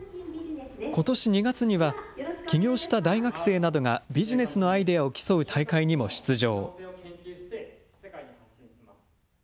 ことし２月には、起業した大学生などがビジネスのアイデアを競う大会にも出場。